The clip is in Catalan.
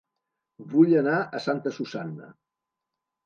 Vull anar a Santa Susanna